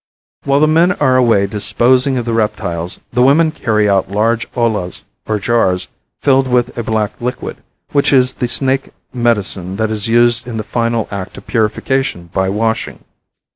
While the men are away disposing of the reptiles the women carry out large ollas, or jars, filled with a black liquid, which is the snake medicine that is used in the final act of purification by washing.